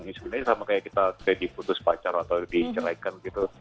ini sebenarnya sama kayak kita kayak diputus pacar atau diceraikan gitu